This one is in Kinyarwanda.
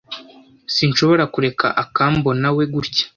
Sinshobora kureka akambonawe gutya.